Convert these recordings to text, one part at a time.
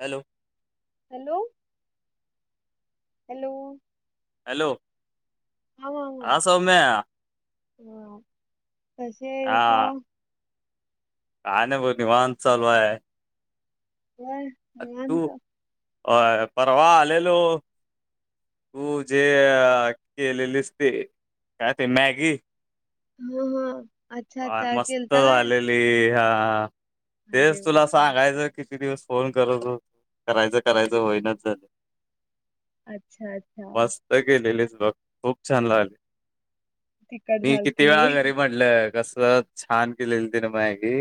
Hello hello hello hello हां सौम्या ह तसे का का नाही ब निवान चालवाय आहे हम तू अ परवा आलेलो तू जे केलेलीस ते काय ते मॅगी ह हा अच्छा अ, अच्छा मस्त खेलता वै झालेली हा तेच वा तुला छान सांगायचं किती दिवस फोन करत होतो करायचं करायचं होईनाच झालं अच्छा अच्छा ग केलेलेच बघ खूप छान लाले तिखट मी किती झालती वेळा घरी म्हट कसरत छान किल्ल त ना मगी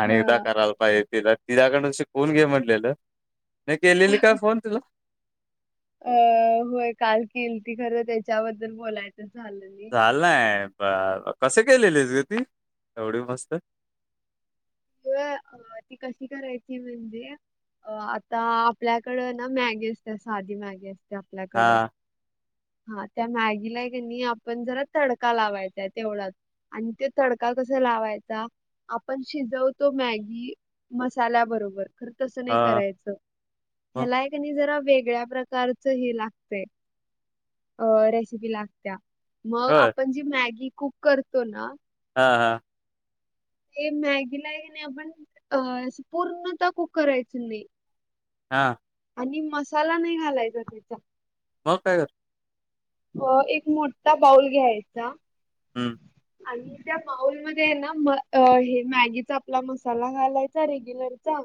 आणि एकदा करायला पाहिजे तिला तिच्या्याकडशी कोण घे म्हटलेलं न क केल्िली काय फोन तला अ होय काल किल ती खरं त्याच्याबद्दल बोलायचंच झालं नाही चाल नाय कसे केलेलेस ग ती एवढी मस्त ज अ ती कशी करायची म्हणजे अ आता आपल्याकडं ना मॅगी असते साधी मॅगी असते आपल्याकडं हां, हा त्या मॅगीला क नाही आपण जरा तडका लावायचाय तेवढाच आणि ते तडका कसा लावायचा आपण शिजव तो मॅगी मसाल्याबरोबर खरं तसं नाही हां. करायचं मग? ह्यालायकनी जरा वेगळ्या प्रकारच ह लागतय अ रेसिपी लागत मग होय. आपण जी मॅगी कुक करतो ना हा हा हे मॅगी ला आहे की नाही आपण अ पूर्णता कुक करायची नाही हा आणि मसाला नाही घालायचा त्याचा हो काय अ एक मोठठा बाऊल घ्यायचा हं अ त्या माउल मध्ये आहे ना हे मॅगीचा आपला मसाला घालायचा रेग्युलरचा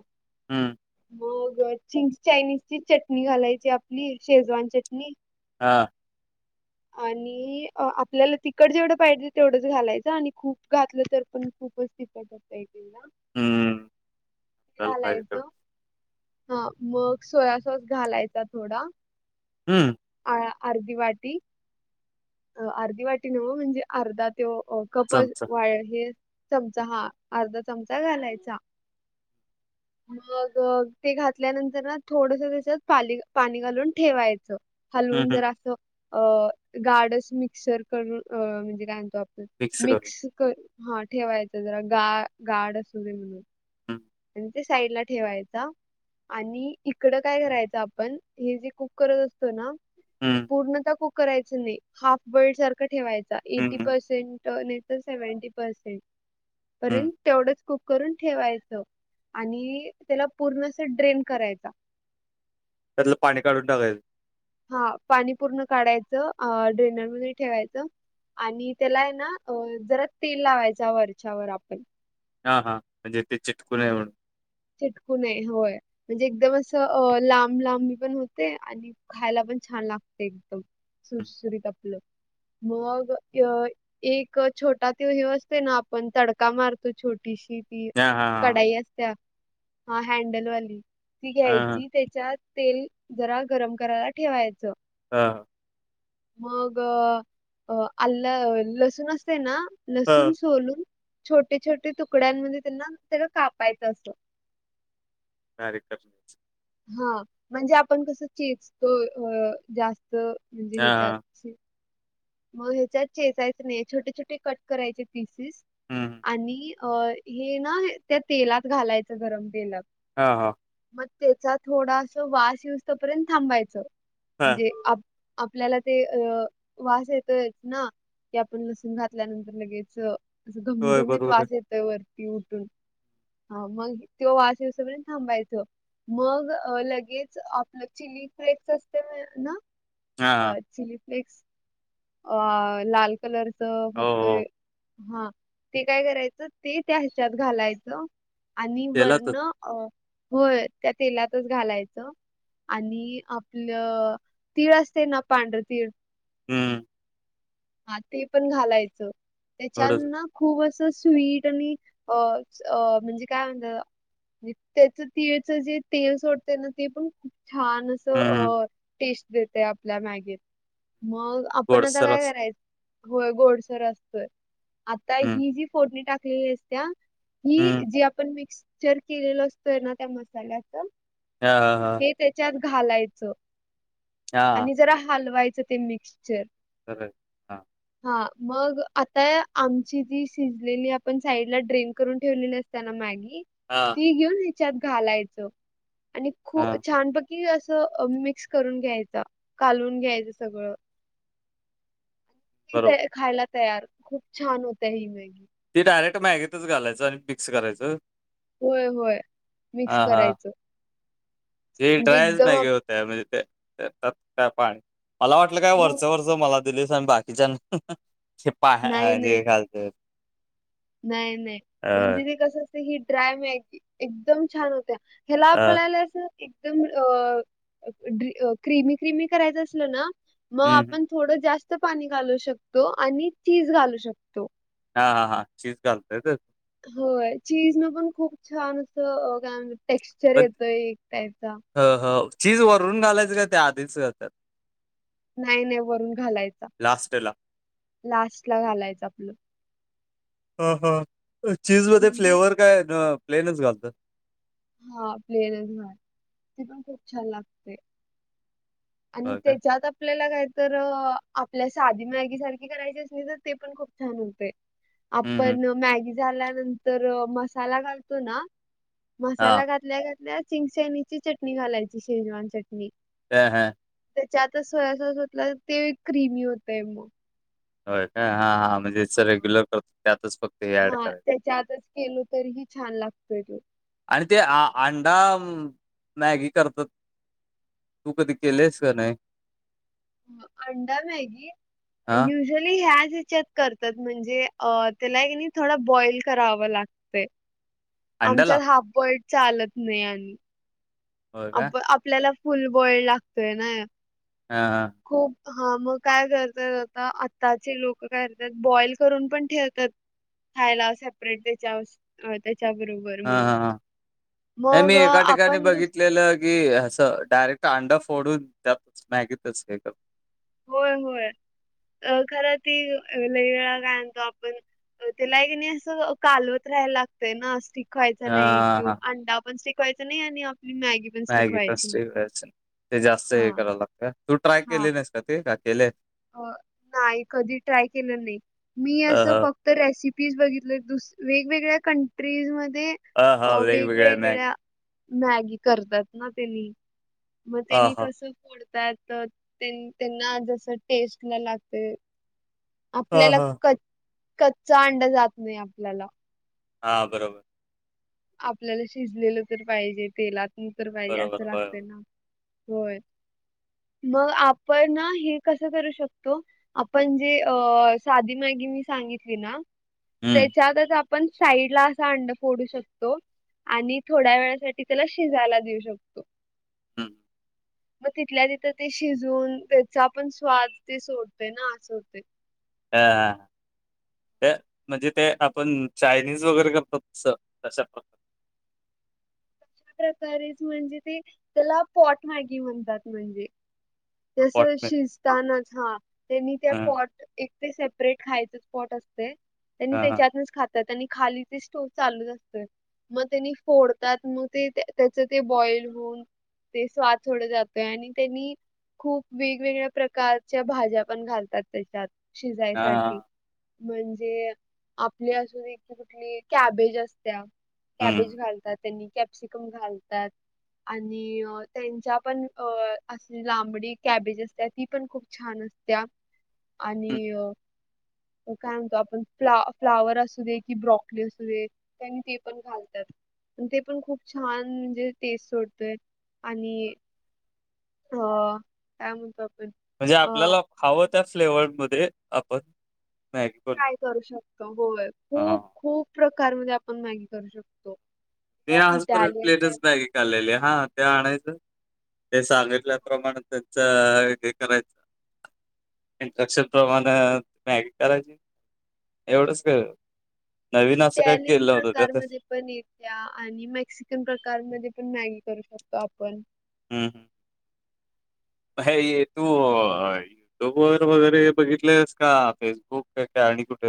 हां मग चिंग चायनीज ची चटणी घालायची आपली शेजवान चटणी हा आणि आपल्याला तिकट जेवढं पाहिजे तेवढंच घालायचं आणि खूप घातलं तर पण खूपच तिकट हं. झालं तराला पाहिजे यो तेवढं. हा मग सोया सॉस घालायचा थोडा हम्म अ अर्धी वाटी अ अर्धी वाटी नव म्हणजे अर्धा तो कप चमचा. वाळ हे चमचा हा अर्धा चमचा घालायचा [unintelligible] मग ते घातल्यानंतर थोडस त्याच्यात पा पाणी घालून ठेवायचं हं, हलवून हं. जर असं अ गाडच मिक्सर करून म्हणजे काय म्हणतो आप मिक्स हा ठेवायचं जरा गा गाड असू दे म्हणून [inaudible] आणि ते साईड ला ठेवायच आणि इकडं काय करायचं आपण हे जे कुक करत असतो ना हं. पूर्ण कुक करायच नाही हाफ बइड सारख ठेवायचा हं, एटी हं. पसेंट सेवनटी पसेंट हं. पयंत तेवढंच कुक करून ठेवायचं आणि त्याला पूर्ण अस ड्रेन करायचा. त्यातलं पाणी काढून टाकाेल. हा पाणी पूर्ण काढायचं ड्रेनर म ठेवायचं आणि त्याला आहे ना जरा तेल लावायचा वरच्यावर आपण हा हा म्हणजे ते हा. चिटकूनय म्हणून चिटकू नये होय म्हणजे एकदम असं अ लांब लांबी पण होते आणि खायला पण छान लागते एकदम हं. सुरसुरीत आपलं मग अ एक छोटा तेव ह असते ना आपण तडका मारतो छोटीशी त हां, हां, हां. कढाई असत्या ह हँडलवाली ती हां, हां. घ्यायची त्याच्या तेल जरा गरम करायला ठेवायचं हा ह मग आ लसूण असते ना हां, हां. लसूण सोलून छोटे छोटे तुकड्यांमध्ये त्यांना सगं कापायचं असतं. काररक्ट हा म्हणजे आपण कस चेचतो जास्त म्हणजे हां, हां. ह्याच्यात मग ह्याच्यात चेचायचं नाही छोटे छोटे कट करायचे पिसेस हं, हं. आणि अ हे ना त्या तेलात घालायचं गरम तेला हां हो मग त्याचा थोडास वास यऊज तपर्यंत थांबायच हां. म्हणजे आपल्याला ते अ वास येतयच ना की आपण लसूण घातल्यानंतर लगेच अस होय, घमघमीत बरोबर आहे. वास येत वरती उठून हा मग त वास स प थांबायच मग लगेच आपलं चिली फ्रेक्स असते ना हां, अ हां. चिली फ्लेक्स अ लाल कलरच हो, फक्त हो. हा ते काय करायचं ते त्या हिच्यात घालायचं आणि तेलातच. वर्ण अ होय त्या तेलातच घालायचं. आणि आपलं तीळ असते ना पांढरं तीळ हम्म हा ते पण घालायचं त्याच्या थोडंसं. ना खूप असं स्वीट आणि अ अ म्हणजे काय म्हणत आणि त्याच तिळचं जे तेल सोडतं ना ते पण खूप छान असं हम्म अ टेस्ट देते आपल्या मॅगीत मग आपण आता गोडसर काय अस करायचं होय गोडसर असतोय आता हम्म ही जी फोडणी टाकलेली असते. हि हम्म जी आपण मिक्चर केलेल असतोय ना त्या मसाल्याच हा हा हा हे त्याच्यात घालायचं. हा आणि जरा हलवायचं ते मिक्चर र हा हा मग आता आमची जी शिजलेली आपण साईड ला ड्रेन करून ठेवलेली अस त्यांना मॅगी हां ती घेऊन ह्याच्यात घालायच आणि खू हा छान प कि असं मिक्स करून घ्यायचा कालून घ्यायचं सगळं बरोबर [unintelligible] खायला तयार खूप छान होत ही मॅगी. ती डायरेक्ट माॅगेतच घालायचं आणि मिक्स करायचं. होय, होय मिक्स हा हा करायचं हे म्हणजे ड्राय च एकदम मॅगी आप- होत [unintelligible] महणजे ते काय पाणी मला वाटलं काय हो वरच वर. मला दिलीस आणि बाकीच्या पा नाही, नाही. जे खा नाही नाही म्हणजे ते कस असते ही ड्राय म एकदम छान होत्या. ह्याला अ आपल्याला असं एकदम अ क्रिमी क्रिमी करायचं असलं ना. मग हम्म हम्म आपण थोडं जास्त पाणी घालू शकतो आणि चीज घालू शकतो. हा हा हा चीज घालतय. होय चीज न पण खूप छान असं काय म्हणत टेक्स्चर पण येतंय एक त्यायचा. ह हो चीज वरून घालायचं का त्या आधीच घालत्यात. नाही नाही वरून घालायचा लास्टला लास्ट ला घालायच आपलं. ह हा चीज मध्ये म्हणजे फ्लेवर काय प्लेनच घालतोय. हा प्लेनस ह ते पण खूप छान लागते. आणि होय काय ते ज आपल्याला काहीत आपल्या साधी मॅगी सारखी करायची असली तर ते पण खूप छान होतय. हं, हं. आपण मॅगी झाल्यानंतर मसाला घालतो ना. हां. मसाला घातल्या घातल्या चिंगशणीची चटणी घालायची शेजवान चटणी. ह हा. त्याच्या आता सोया सॉस होतला ते क्रीमी होतय मग. हो काय हा हा म्हणजेच हो. रेग्युलर करतो त्यातच फक्त हे ऍड करायचं. त्यातच केलो तरीही छान लागत. आणि ते अंडा मॅगी करतात. तू कधी केलेस का नाही. अंडा मॅगी हां, युजली ह्या करतात म्हणजे अ त्याला थोडा बॉईल करावं लागतं. आमच्यात अंड्याला? हाफबर्ड चालत नाही आणि. होय काय? आप आपल्याला फुल बॉइड लागतोय ना हा हा. खूप. हा मग काय करतात आता आत्ताचे लोक काय करतात बॉईल करून पण ठेवतात. खायला सेपरेट त्याच्या [unintelligible] चा बरोबर. हा म्हणून हा नाही मी मग अ, एका ठिकाणी आपण दुस- बघितलेलं. की असं डायरेक्ट अंडा फोडून त्या मॅगीतच हे कर. होय होय खरं त लईवेेळा काय आणतो आपण त्याला एक क नाही असं कालवत राहायला लागतंय ना. शिकवायचा नाही हां, तो हां. अंडा पण शिकवायचा नाही आणि आपली मॅगी पण मॅगी शिकवायची नाही. टेस्टी करायचं. ते जास्त हे हा करावं लागत तू ट्राय हा केले नाहीस का ते का केले. अ नाही कधी ट्राय केलं नाही मी हं, असं हं. फक्त. तर रेसिपीज बघितले दुस वेगवेगळ्या कंट्रीज मध्ये. हां, हां. अ मॅगी. वेगवेगळ्या. मॅगी करतात ना त्यांनी मग हां, त्यांनी हां. कसं फोडतात. त्यांना जस टेस्ट ला लागते हां, आपल्याला हां. क कच्चा अंडा जात नाही आपल्याला. हा बरोबर. आपल्याला शिजलेलं तर पाहिजे तेलात तर पाहिजे बरोबर. असं होय, होय. लागत. होय मग आपण ना हे कसं करू शकतो. आपण जे साधी मॅगी मी सांगितली ना. हं, त्याच्यातच आपण साईड ला असा अंड फोडू शकतो. तो आणि थोड्या वेळासाठी त्याला शिजायला देऊ शकतो. हम्म! मग तिथल्या तिथं ते शिजून त्याचा पण स्वाद ते सोडते ना असं होते. ह हा. ते म्हणजे ते आपण चायनीज वगैरे करतो तसं तश्या प्रका प्रकारे म्हणजे ते त्याला पॉट मागी म्हणतात म्हणजे, जस पॉट मिल्क. शीज नच हा तेनी त्या हां, पॉट एक ते सेपरेट खायच पॉट असते. त्यांनी हां, हां. त्याच्यातच खातात त्यां खाली ते स्टोव चालू असत. मग त्यांनी फोडतात मग, ते त्याच ते बॉइल होऊन ते स्वाद थोड जातोय. आणि त्यांनी खूप वेगवेगळ्या प्रकारच्या भाज्या पण घालतात त्याच्यात शिजायसाठी. हां, म्हणजे आपली असून दे कुठली कॅबेज असत्या. कॅबेज हं, घालतात त्यांनी, कॅप्सिकम घालतात. आणि त्यांच्या पण अ अशी लांबडी कॅबेज असते, ती पण खूप छान असत्या. आणि हं. काय म्हणतो आपण फ्ला फ्लावर असू दे की, ब्रॉकली असू दे! त्यांनी ते पण घालतात ते पण खूप छान म्हणजे टेस्ट सोडतोय आणि हो काय म्हणतो आपण, म्हणजे अ आपल्याला हवं त्या फ्लेवर मध्ये आपण मॅगी बनवू. ट्राय करू शकतो. होय हां. खूप खूप प्रकार म आपण मॅगी करू शकतो. मी या आज परत इटालियन प्लेटच टाईप मॅगी खा्ललेले हा ते आणायचं ते सांगितल्याप्रमाणे त्यांचं हे करायचं‌. इंट्रक्शन प्रमाणे मॅगी करायची. ! एवढंच का नवीन अस असं काय इटालियन केलं नव्हत. प्रकारमध्ये पण येत्या आणि मेक्सिकन प्रकार म पण मॅगी करू शकतो आपण. हम, हम! [unintelligible] होय. हे तू युट्यूब वर वगैरे बघितलेयस का फेसबुक काय आणि कुठ.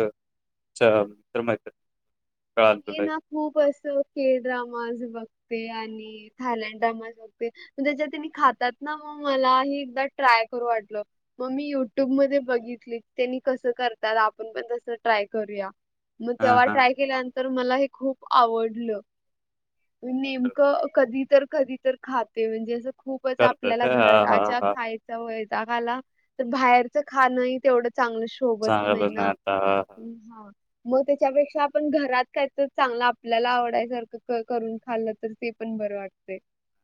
चल तर मी [unintelligible] ना खूप असं केळ ड्रामाज बघते, आणि थायलंँड ड्रामाज बघ त्याच्याने खातात ना मग मला ह एकदा ट्राय करू वाटलं. मग मी युट्यूब मध्ये बघितली त्यांनी कसं करतात आपण पण तसं ट्राय करूया. मग हां, तेव्हा हां. ट्राय केल्यानंतर मला हे खूप आवडलं. म बरोबर. नेमकं कधी तर कधी तर खाते म्हणजे अस खूपच करतात आपल्याला का? हां, हां, घराच्या हां. खाय वला तर बाहेरचं खाण तेवढं चांगलं बत सांगायला नाही नाहीना आता. हां, हां, मग त्याच्यापेक्षा आपण घरात, काय तर चांगलं आपल्याला आवडायसारखं करून खाल्लं तर ते पण बरं वाटतं.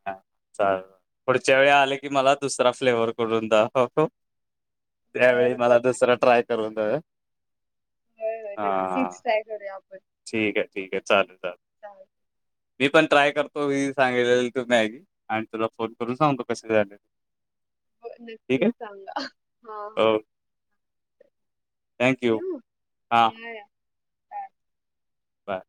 हा चा पुढच्या वेळी आले की मला दुसरा फ्लेवर करून द हो त्यावेळी बरं, मला बरं. दुसरा नक्कीच. ट्राय करून जाव. होय, होय नक्कीच काय करूया आपण. ठीक आहे, ठीक आहे, चालेल चालेल. चाल मी पण ट्राय करतो सांगले तू मॅगी आणि तुला फोन करून सांगतो कसे झाले. ठीक नक्कीच आहे? सांगा. हा ह. थँक्यू ठेवू? हां. या, या. बाय. बर